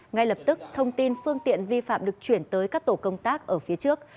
ngay lập tức thông tin phương tiện vi phạm được chuyển tới các tổ công tác ở phía trước